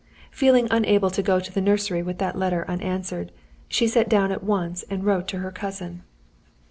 Feeling unable to go to the nursery with that letter unanswered, she sat down at once and wrote to her cousin.